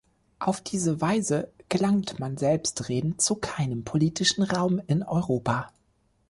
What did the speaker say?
Auf diese Weise gelangt man selbstredend zu keinem politischen Raum in Europa.